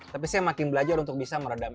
tapi saya makin belajar untuk bisa meredam